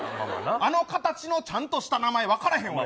あの形のちゃんとした名前分からへん。